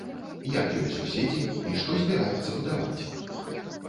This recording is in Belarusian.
Як ёй суседзі і што збіраецца будаваць?